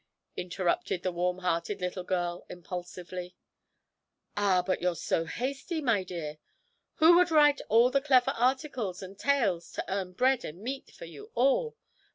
interrupted the warmhearted little girl impulsively. 'Ah, but you're so hasty, my dear. Who would write all the clever articles and tales to earn bread and meat for you all?